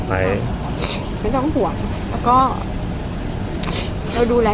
ภาษาสนิทยาลัยสุดท้าย